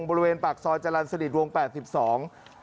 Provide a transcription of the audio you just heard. บริเวณปากซอยจรรย์สนิทวง๘๒